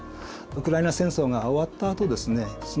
ウクライナ戦争が終わったあとですね